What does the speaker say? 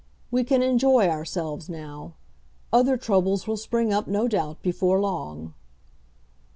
We can enjoy ourselves now. Other troubles will spring up, no doubt, before long."